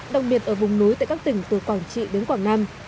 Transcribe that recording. đặc biệt ở vùng núi tại các tỉnh từ quảng trị đến quảng nam